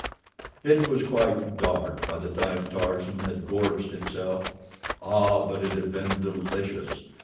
It was quite dark by the time Tarzan had gorged himself. Ah, but it had been delicious!